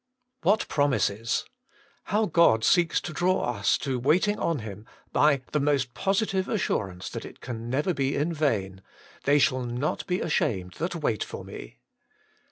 WHAT promises ! How God seeks to draw us to waiting on Him by the most positive assurance that it never can be in vain : *They shall not be ashamed that wait for Me.'